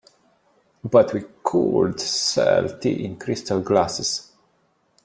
But we could sell tea in crystal glasses.